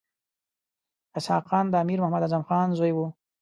اسحق خان د امیر محمد اعظم خان زوی وو.